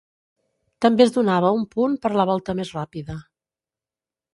També es donava un punt per la volta més ràpida.